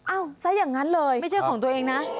ซะอย่างนั้นเลยไม่ใช่ของตัวเองนะ